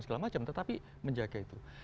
segala macam tetapi menjaga itu